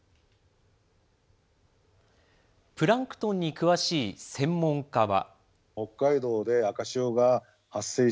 プランクトンに詳しい専門家は。